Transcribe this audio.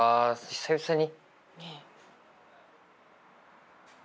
久々に。